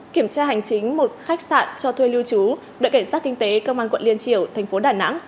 kiểm tra hành chính một khách sạn cho thuê lưu trú đội cảnh sát kinh tế công an quận liên triều thành phố đà nẵng